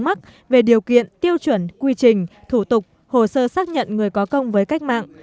mắc về điều kiện tiêu chuẩn quy trình thủ tục hồ sơ xác nhận người có công với cách mạng